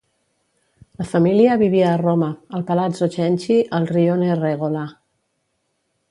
La família vivia a Roma, al Palazzo Cenci, al rione Regola.